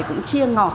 cũng chia ngọt